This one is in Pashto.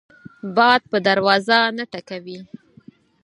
باد په دروازه نه ټکوي